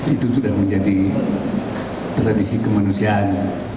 itu sudah menjadi tradisi kemanusiaan